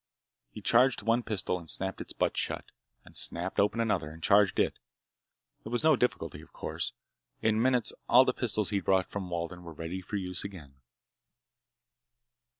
He charged one pistol, and snapped its butt shut, and snapped open another, and charged it. There was no difficulty, of course. In minutes all the pistols he'd brought from Walden were ready for use again.